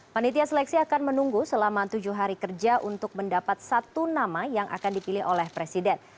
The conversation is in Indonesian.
panitia seleksi akan menunggu selama tujuh hari kerja untuk mendapat satu nama yang akan dipilih oleh presiden